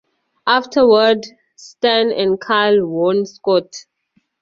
Afterward, Stan and Kyle warn Scott.